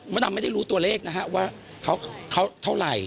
ดำไม่ได้รู้ตัวเลขนะฮะว่าเขาเท่าไหร่